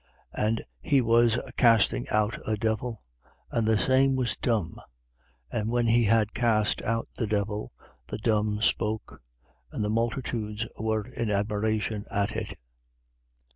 11:14. And he was casting out a devil: and the same was dumb. And when he had cast out the devil, the dumb spoke: and the multitudes, were in admiration at it.